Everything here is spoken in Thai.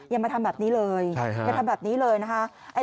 อย่ามาทำแบบนี้เลยอย่าทำแบบนี้เลยนะคะ